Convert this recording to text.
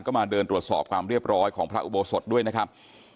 ก็มาเดินตรวจสอบความเรียบร้อยของพระอุโบสถด้วยนะครับ